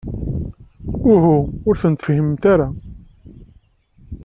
Uhu, ur tefhimemt ara.